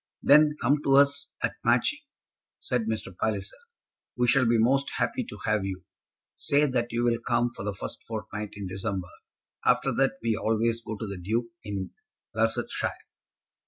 "Then come to us at Matching," said Mr. Palliser. "We shall be most happy to have you. Say that you'll come for the first fortnight in December. After that we always go to the Duke, in Barsetshire.